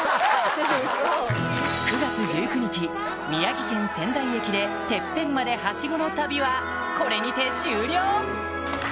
９月１９日宮城県仙台駅でテッペンまでハシゴの旅はこれにて終了！